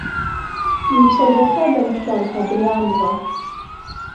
Илцәагахьада, мшәан, абри амла?!